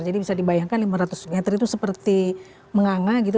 jadi bisa dibayangkan lima ratus meter itu seperti menganga gitu